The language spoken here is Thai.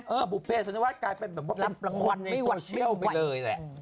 เออบุฟเฟต์สัญญาวัตรกลายเป็นแบบว่าเป็นคนในโซเชียลไปเลยแหละ